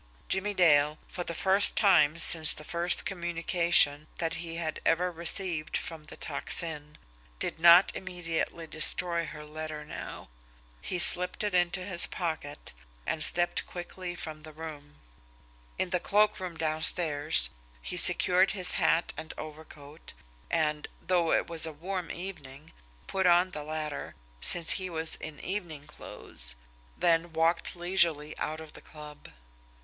Jimmie Dale, for the first time since the first communication that he had ever received from the Tocsin, did not immediately destroy her letter now. He slipped it into his pocket and stepped quickly from the room. In the cloakroom downstairs he secured his hat and overcoat, and, though it was a warm evening, put on the latter since he was in evening clothes, then walked leisurely out of the club.